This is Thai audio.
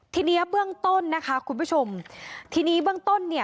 ทีนี้เบื้องต้นนะคะคุณผู้ชมทีนี้เบื้องต้นเนี่ย